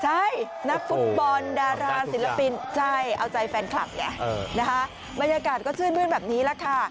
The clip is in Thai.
ใช่นักฟุตบอลดาราศิลปินใช่เอาใจแฟนคลับไงนะคะบรรยากาศก็ชื่นมื้นแบบนี้แหละค่ะ